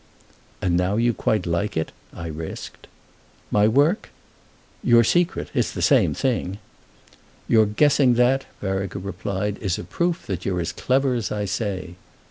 "And now you quite like it?" I risked. "My work?" "Your secret. It's the same thing." "Your guessing that," Vereker replied, "is a proof that you're as clever as I say!"